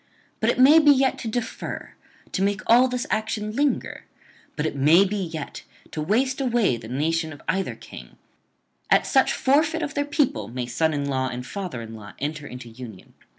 But it may be yet to defer, to make all this action linger; but it may be yet to waste away the nation of either king; at such forfeit of their people may son in law and father in law enter into union.